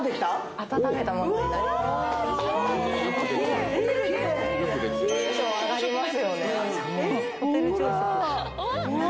温めたものになります